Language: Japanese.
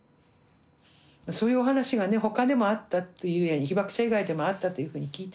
そういうお話がね他でもあったというふうに被爆者以外でもあったというふうに聞いてますけど。